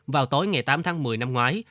vào tối ngày tám tháng một mươi năm ngoái